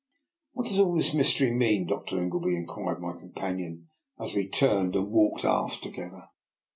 " What does ^11 this mystery mean. Dr. Ingleby? " inquired my companion, as we turned and walked aft together.